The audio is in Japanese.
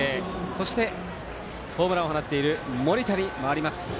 そして、ホームランを放っている森田に回ります。